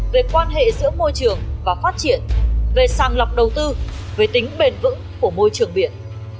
về quan hệ giữa môi trường và phát triển về sàng lọc đầu tư về tính bền vững của môi trường biển